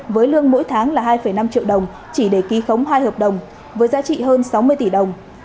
với lương mỗi tháng là hai năm triệu đồng chỉ để ký khống hai hợp đồng với giá trị hơn sáu mươi tỷ đồng